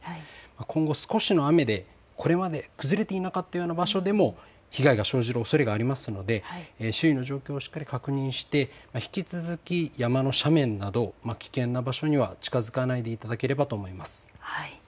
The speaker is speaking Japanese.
今後、少しの雨でこれまで崩れていなかったような場所でも被害が生じるおそれがありますので周囲の状況をしっかり確認して引き続き山の斜面など危険な場所には近づかないでいただければと思います。